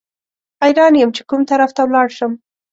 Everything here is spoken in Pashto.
حیران یم چې کوم طرف ته ولاړ شم.